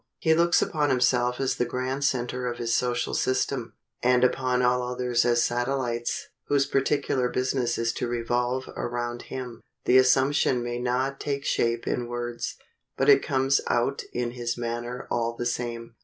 He looks upon himself as the grand center of his social system, and upon all others as satellites, whose particular business is to revolve around him. The assumption may not take shape in words, but it comes out in his manner all the same.